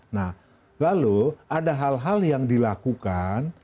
nah lalu ada hal hal yang dilakukan